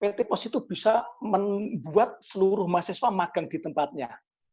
pt pos itu bisa membuat seluruh mahasiswa magang di tempatnya